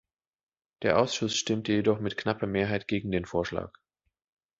Der Ausschuss stimmte jedoch mit knapper Mehrheit gegen den Vorschlag.